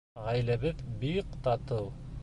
Ғаиләбеҙ бик татыу